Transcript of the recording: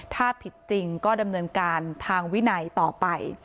ถ้าผิดจริงก็ดำเนินการทางวินัยต่อไป